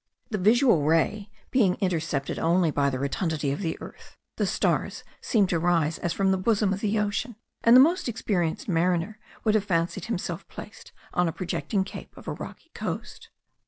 The visual ray being intercepted only by the rotundity of the earth, the stars seemed to rise as from the bosom of the ocean, and the most experienced mariner would have fancied himself placed on a projecting cape of a rocky coast.